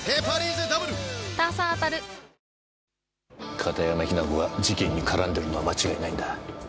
片山雛子が事件に絡んでるのは間違いないんだ。